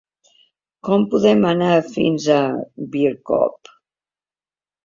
Com podem anar fins a Bicorb?